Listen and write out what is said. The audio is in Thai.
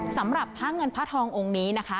สำหรับพระเงินพระทององค์นี้นะคะ